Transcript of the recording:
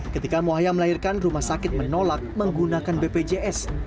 ketika muhaya melahirkan rumah sakit menolak menggunakan bpjs